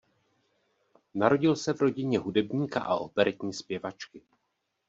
Narodil se v rodině hudebníka a operetní zpěvačky.